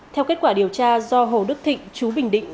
theo kết quả điều tra do hồ đức thịnh chú bình định